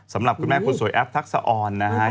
สำหรับคุณแม่คนสวยแอปทักษะออนนะฮะ